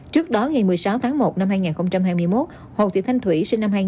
trước đó ngày một mươi sáu tháng một năm hai nghìn hai mươi một hồ thị thanh thủy sinh năm hai nghìn hai